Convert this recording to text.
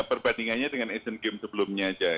berbandingannya dengan asian games sebelumnya saja